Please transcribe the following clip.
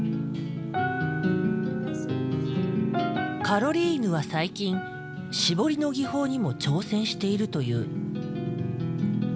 カロリーヌは最近絞りの技法にも挑戦しているという。